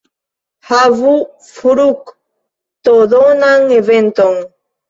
Havu fruktodonan eventon!